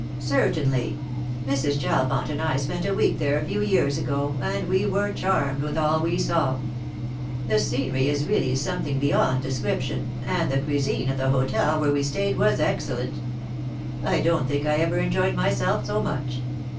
" Certainly. Mrs. Chalfont and I spent a week there a few years ago, and we were charmed with all we saw. The scenery is really something beyond description, and the cuisine of the hotel where we stayed was excellent. I don't think I ever enjoyed myself so much.